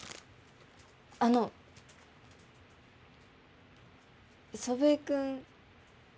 あの祖父江君